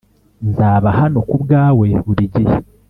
nzaba hano kubwawe burigihe